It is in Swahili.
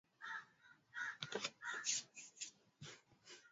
redio ya mtandaoni inahitaji kompyuta yenye nguvu ya kutosha